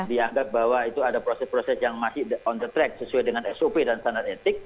dianggap bahwa itu ada proses proses yang masih on the track sesuai dengan sop dan standar etik